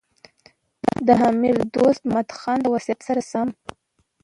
د امیر دوست محمد خان د وصیت سره سم.